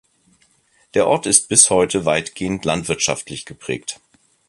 Der Ort ist bis heute weitgehend landwirtschaftlich geprägt.